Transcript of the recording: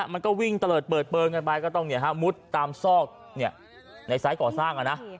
มันก็วิ่งตะเลิดเปิดเปลืองกันไปก็ต้องมุดตามซอกในไซส์ก่อสร้าง